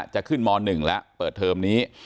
จะขึ้นม๑แล้วเปิดเทอมนี้